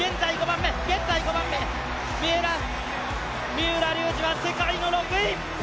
三浦龍司は世界の６位。